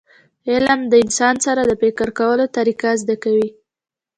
علم د انسان سره د فکر کولو طریقه زده کوي.